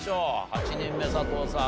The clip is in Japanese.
８人目佐藤さん